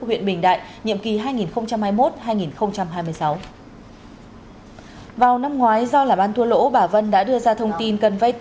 huyện bình đại nhiệm kỳ hai nghìn hai mươi một hai nghìn hai mươi sáu